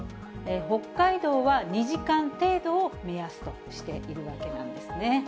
北海道は２時間程度を目安としているわけなんですね。